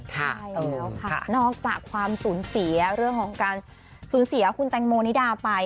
ใช่แล้วค่ะนอกจากความสูญเสียเรื่องของการสูญเสียคุณแตงโมนิดาไป